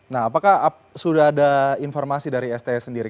nah apakah sudah ada informasi dari sti sendiri